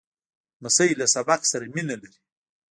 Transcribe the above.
لمسی له سبق سره مینه لري.